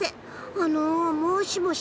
あのもしもし？